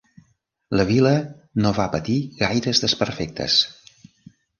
La vila no va patir gaires desperfectes.